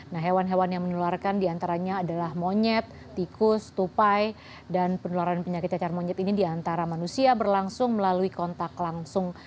nah hewan hewan yang menularkan diantaranya adalah monyet tikus tupai dan penularan penyakit cacar monyet ini diantara manusia berlangsung melalui kontak langsung